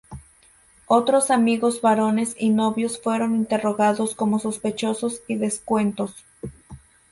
Otros amigos varones y novios fueron interrogados como sospechosos y descuentos.